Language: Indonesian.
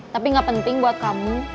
tapi gak penting buat kamu